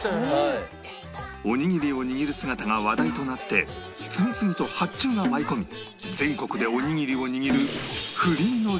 おにぎりを握る姿が話題となって次々と発注が舞い込み全国でおにぎりを握るフリーの料理人に